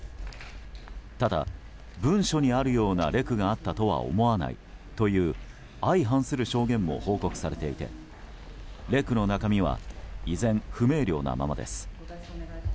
ただ、文書にあるようなレクがあったとは思わないという相反する証言も報告されていてレクの中身は依然、不明瞭なままです。